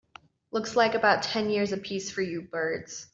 Looks like about ten years a piece for you birds.